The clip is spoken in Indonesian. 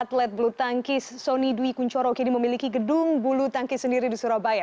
atlet bulu tangkis sonny dwi kunchoro kini memiliki gedung bulu tangkis sendiri di surabaya